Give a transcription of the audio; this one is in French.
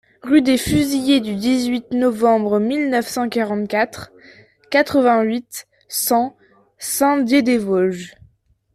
Rue des Fusillés du dix-huit Novembre mille neuf cent quarante-quatre, quatre-vingt-huit, cent Saint-Dié-des-Vosges